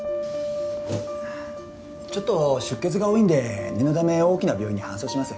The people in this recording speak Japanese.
ちょっと出血が多いんで念のため大きな病院に搬送します。